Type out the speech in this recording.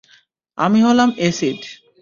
আমি হলাম এসিড।